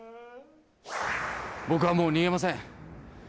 僕はもう逃げません。